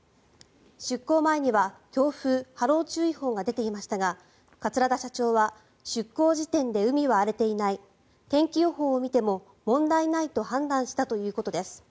出航前には強風・波浪注意報が出ていましたが桂田社長は出航時点で海は荒れていない天気予報を見ても問題ないと判断したということです。